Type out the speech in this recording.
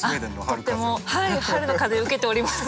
とってもはい春の風を受けております。